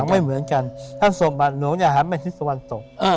ฝังไม่เหมือนกันถ้าศพบาทหลวงอย่าหาแม่ชิสวรรค์ศพ